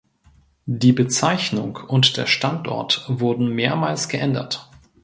Die Bezeichnung und der Standort wurden mehrmals geändert.